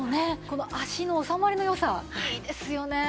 この足の収まりの良さいいですよね。